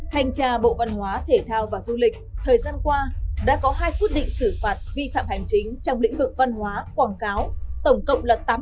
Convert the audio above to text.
hành tra bộ văn hóa thể thao và du lịch thời gian qua đã có hai phước định xử phạt vi phạm hành chính trong lĩnh vực văn hóa quảng cáo tổng cộng là tám mươi triệu đồng